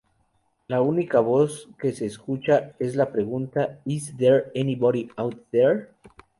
La única voz que se escucha, es la pregunta ""Is there anybody out there?